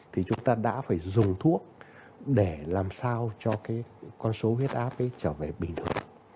thì chúng ta đã phải dùng thuốc để làm sao cho cái con số huyết áp ấy trở về bình thường